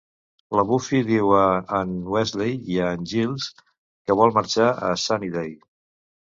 La Buffy diu a en Wesley i en Giles que vol marxar de Sunnydale.